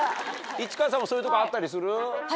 市川さんもそういうとこあったりする？